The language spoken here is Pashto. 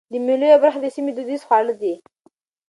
د مېلو یوه برخه د سیمي دودیز خواړه دي.